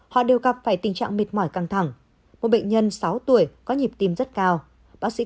họ đều gặp phải tình trạng mệt mỏi căng thẳng một bệnh nhân sáu tuổi có nhịp tim rất cao